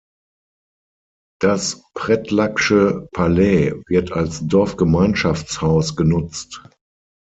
Das Pretlack’sche Palais wird als Dorfgemeinschaftshaus genutzt.